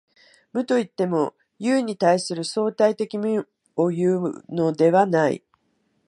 無といっても、有に対する相対的無をいうのではない。